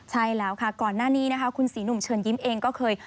ใช่แล้วค่ะก่อนหน้านี้นะคะคุณศรีหนุ่มเชิญยิ้มเองก็เคย